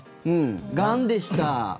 がんでした。